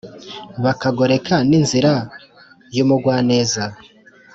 bakagoreka n’inzira y’umugwaneza